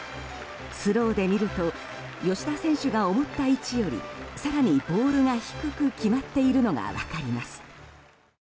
スローで見ると吉田選手が思った位置より更にボールが低く決まっているのが分かります。